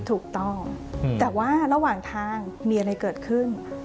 ถูกต้องแต่ว่าระหว่างทางมีอะไรเกิดขึ้น